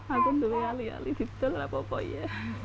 aku berdua alih alih tidak ada apa apa ya